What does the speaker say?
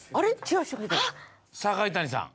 ・堺谷さん。